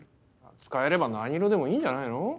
使えれば何色でもいいんじゃないの？